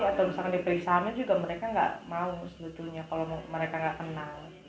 atau misalkan diperiksa sama juga mereka gak mau sebetulnya kalau mereka gak kenal